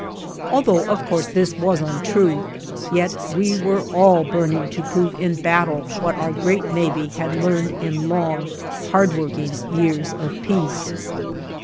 Although of course this was untrue, yet we were all burning to prove in battle what our great Navy had learned in long, hard working years of peace.